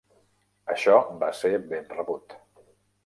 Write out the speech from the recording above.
Això va ser ben rebut.